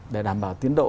để đảm bảo tiến độ